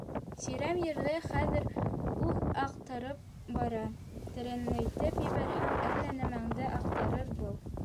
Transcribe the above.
Сирәм ерҙе хәҙер үк аҡтарып бара, тәрәнәйтеп ебәрһәң, әллә нәмәңде аҡтарыр был...